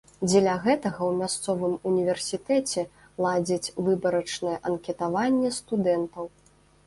Дзеля гэтага ў мясцовым універсітэце ладзяць выбарачнае анкетаванне студэнтаў.